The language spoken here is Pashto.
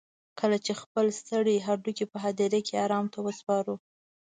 کله چې خپل ستړي هډونه په هديره کې ارام ته سپارو.